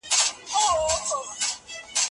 په ميلمنو دي ډزې وسه